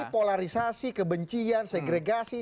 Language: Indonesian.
polarisasi kebencian segregasi